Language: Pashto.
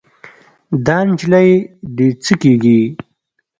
دا نجلۍ دې څه کيږي؟